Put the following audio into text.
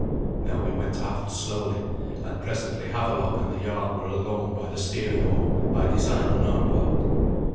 Now we went aft slowly, and presently Havelok and the jarl were alone by the steering oar, by design on our part.